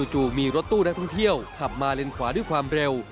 จู่มีรถตู้นักท่องเที่ยวขับมาเลนขวาด้วยความเร็ว